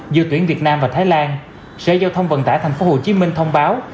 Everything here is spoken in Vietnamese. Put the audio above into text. giữa tuyển việt nam và thái lan sở giao thông vận tại tp hcm thông báo